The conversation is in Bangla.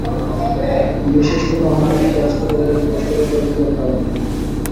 বিশেষ, কোন আহাম্মকি কাজ করে অপরকে কষ্ট দেবার অধিকার কারও নেই।